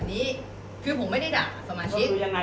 ถังสื่อถ้าผู้เสียหายนะฮะ